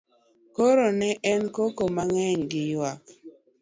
koro ne en koko mang'eny gi ywak